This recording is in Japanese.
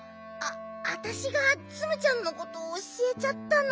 わたしがツムちゃんのことをおしえちゃったの。